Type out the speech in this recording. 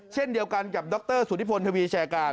เช่นเดียวกันกับดรสุธิพลทวีแชร์การ